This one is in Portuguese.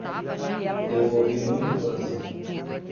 Eu ouvi muito coração